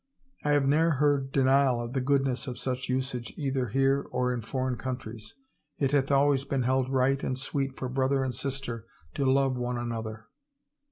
I have ne'er heard denial of the goodness of such usage either here or in foreign countries. It hath always been held right and sweet for brother and sister to love one another.